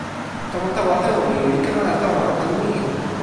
tomo tawa telo mi li ken ala tawa tan ni: